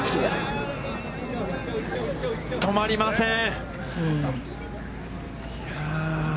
止まりません。